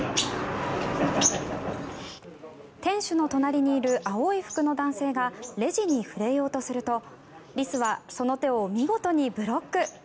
店主の隣にいる青い服の男性がレジに触れようとするとリスはその手を見事にブロック。